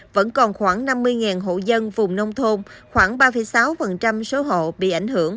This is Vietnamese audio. vẫn còn khoảng năm mươi hộ dân vùng nông thôn khoảng ba sáu số hộ bị ảnh hưởng